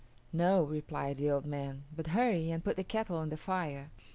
"No," replied the old man, "but hurry and put the kettle on the fire."